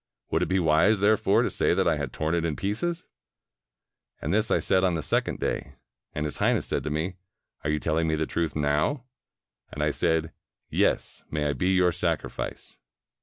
Would it be wise, therefore, to say that I had torn it in pieces?' And this I said on the second day. And His Highness said to me, 'Are you telling the truth now?' And I said, 'Yes; may I be your sacrifice!'